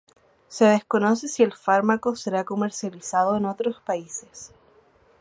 Se desconoce si el fármaco será comercializado en otros países.